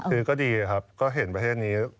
คือก็ดีครับก็เห็นประเทศนี้